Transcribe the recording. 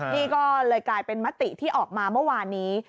นี่ก็เลยกลายเป็นมติที่ออกมาเมื่อวานนี้